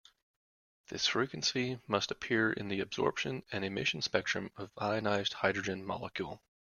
This frequency must appear in the absorption and emission spectrum of ionized hydrogen molecule.